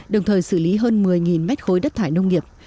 đồng thời xử lý hơn một mươi mét khối đất thải nông nghiệp